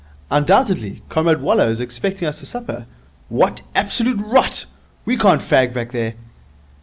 'Undoubtedly. Comrade Waller is expecting us to supper.' 'What absolute rot! We can't fag back there.'